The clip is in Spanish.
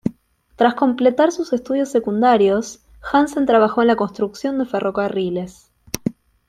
Tras completar sus estudios secundarios, Hansen trabajó en la construcción de ferrocarriles.